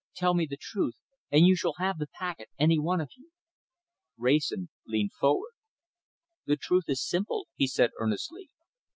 Tell me the truth and you shall have the packet, any one of you." Wrayson leaned forward. "The truth is simple," he said earnestly.